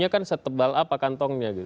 isunya kan setebal apa kantongnya gitu